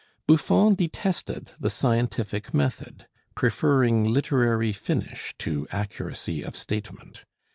Buffon detested the scientific method, preferring literary finish to accuracy of statement.